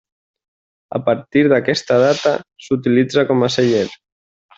A partir d'aquesta data s'utilitzà com a celler.